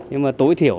nhưng mà tối thiểu